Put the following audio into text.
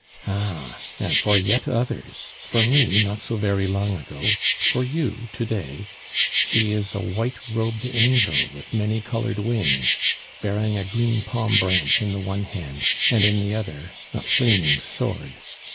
Ah! and for yet others, for me not so very long ago, for you to day she is a white robed angel with many colored wings, bearing a green palm branch in the one hand, and in the other a flaming sword.